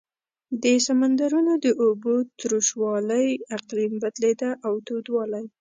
لکه د سمندرونو د اوبو تروش والۍ اقلیم بدلېده او تودوالی.